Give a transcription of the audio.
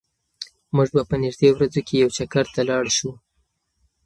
موږ به په نږدې ورځو کې یو چکر ته لاړ شو.